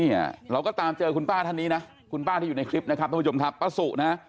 ไม่อยากมีปัญหาเขาก็ให้อาหารเยอะนะ